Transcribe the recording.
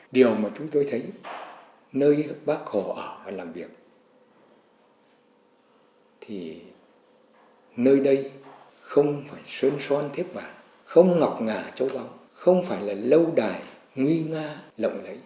điều mà chúng tôi thấy nơi bác hồ ở và làm việc thì nơi đây không phải sơn son thiết bản không ngọc ngà châu âu không phải là lâu đài nguy nga lộng lấy